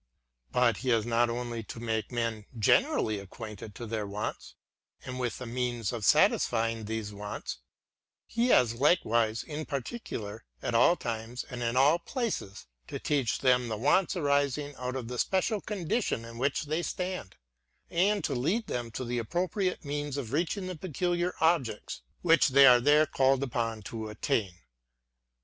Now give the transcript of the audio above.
But he has not only to make men generally acquainted with their wants, and with the means of satisfying these wants; he has likewise, in particular, at all times and in alFplaces, to teach them the wants arising out of the special condition in which they stand, and to lead them to the appropriate means of reaching the peculiar objects which they are there called upon to attain.